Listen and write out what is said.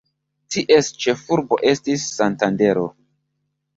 Ties ĉefurbo estis Santandero.